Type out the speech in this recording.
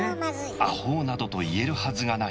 「アホウ」などと言えるはずがない